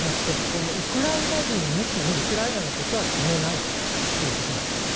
このウクライナ人抜きにウクライナのことは決めないということなんですね。